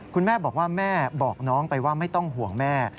คุณแม่บอกว่าแม่บอกน้องไปว่าไม่ต้องห่วงแม่